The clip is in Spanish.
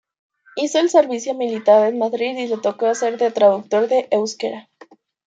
Hizo el servicio militar en Madrid y le tocó hacer de traductor de Euskera.